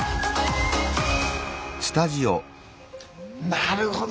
なるほど。